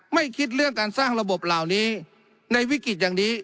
ไม่คิดเรื่องการสร้างระบบเหล่านี้ในวิกฤตอย่างนี้